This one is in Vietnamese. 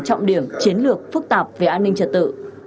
trọng điểm chiến lược phức tạp về an ninh trật tự